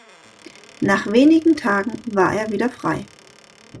Nach wenigen Tagen war er wieder frei.